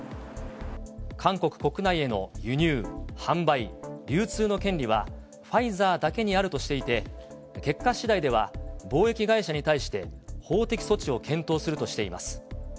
韓国国内への輸入、販売、流通の権利はファイザーだけにあるとしていて、結果しだいでは、貿易会社に対して、法的措置を検討するとしています。